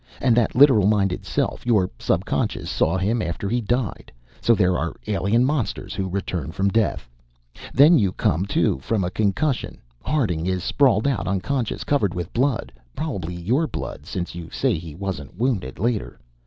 And that literal minded self, your subconscious, saw him after he died. So there are alien monsters who return from death. Then you come to from a concussion. Harding is sprawled out unconscious, covered with blood probably your blood, since you say he wasn't wounded, later.